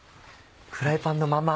フライパンのまま。